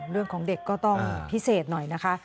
เรื่องของเด็กก็ต้องพิเศษหน่อยนะคะ